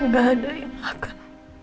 gak ada yang akan